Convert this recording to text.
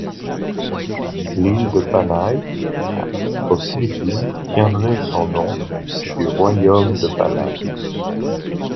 L'île de Panay aux Philippines tiendrait son nom du royaume de Pannai.